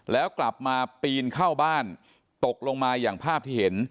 แล้วกลับมาปีนเข้าบ้านตกลงมาอย่างภาพที่เห็น